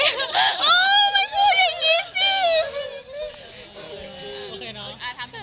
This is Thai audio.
ไม่พูดแบบนี้สิ